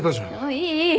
いいいい。